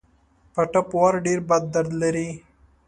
په ټپ وار ډېر بد درد لري.